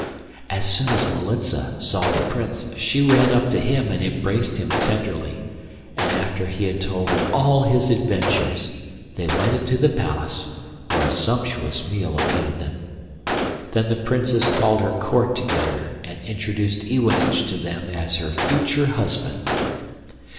As soon as Militza saw the Prince she ran up to him and embraced him tenderly; and after he had told her all his adventures, they went into the palace, where a sumptuous meal awaited them. Then the Princess called her court together, and introduced Iwanich to them as her future husband.